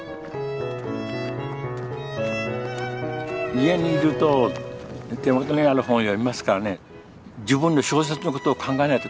家にいると手元にある本を読みますからね自分の小説のことを考えないときなんです。